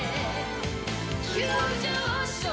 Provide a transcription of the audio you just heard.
急上昇